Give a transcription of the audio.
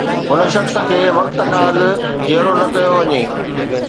هن شخص کي وقت کان اڳ جيئرو نه ڪيو وڃي